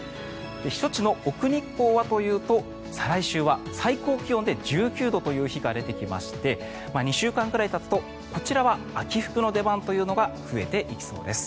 避暑地の奥日光はというと再来週は最高気温で１９度という日が出てきまして２週間くらいたつとこちらは秋服の出番というのが増えてきそうです。